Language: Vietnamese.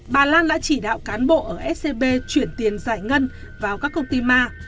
bà lan đã chỉ đạo cán bộ ở scb chuyển tiền giải ngân vào các công ty ma